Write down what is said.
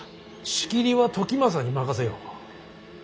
仕切りは時政に任せよう。